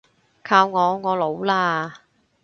靠我，我老喇